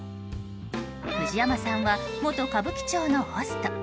藤山さんは元歌舞伎町のホスト。